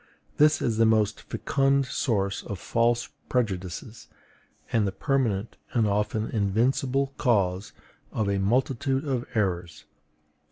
This is the most fecund source of false prejudices, and the permanent and often invincible cause of a multitude of errors.